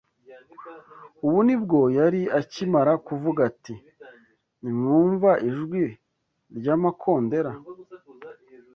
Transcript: Ubu ni bwo yari akimara kuvuga ati nimwumva ijwi ry’amakondera